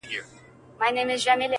یو څه نڅا یو څه خندا ته ورکړو.!